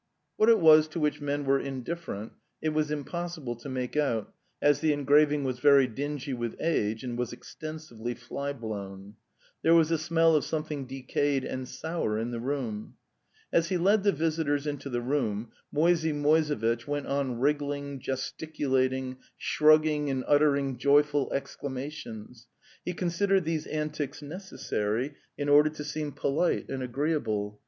What it was to which men were in different it was impossible to make out, as the en graving was very dingy with age and was extensively flyblown. There was a smell of something decayed and sour in the room. As he led the visitors into the room, Moisey Moisevitch went on wriggling, gesticulating, shrug ging and uttering joyful exclamations; he considered these antics necessary in order to seem polite and agreeable.